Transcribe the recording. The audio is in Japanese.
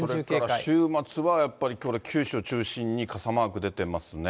それから週末はやっぱり九州中心に傘マーク出てますね。